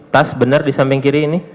tas benar di samping kiri ini